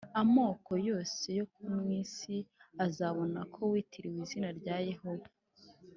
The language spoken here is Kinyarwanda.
Amoko yose yo mu isi azabona ko witiriwe izina rya Yehova